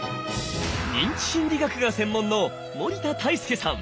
認知心理学が専門の森田泰介さん。